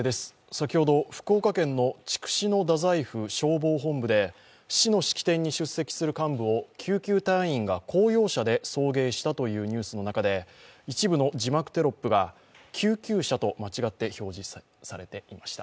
先ほど福岡県の筑紫野太宰府消防本部で市の式典に出席する幹部を救急隊員が公用車で送迎したというニュースの中で一部の字幕テロップが「救急車」と間違って表示されていました。